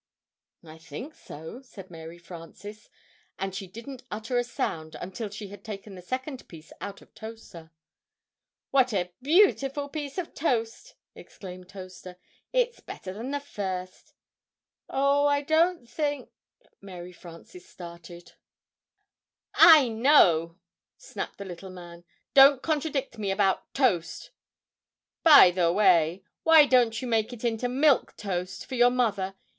"I think so," said Mary Frances; and she didn't utter a sound until she had taken the second piece out of Toaster. "What a beautiful piece of toast!" exclaimed Toaster. "It's better than the first." [Illustration: "What a beautiful piece of toast!"] "Oh, I don't think " Mary Frances started. "I know!" snapped the little man. "Don't contradict me about toast! By the way," he asked, "why don't you make it into Milk Toast for your mother?